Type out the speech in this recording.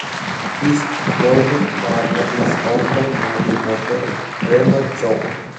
His golfing partner is Hong Kong movie mogul Raymond Chow.